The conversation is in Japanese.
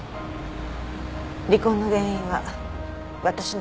離婚の原因は私の不倫よ。